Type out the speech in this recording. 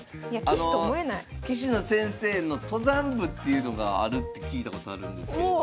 あの棋士の先生の登山部っていうのがあるって聞いたことあるんですけれども。